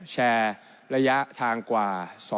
แชร์ระยะทางกว่า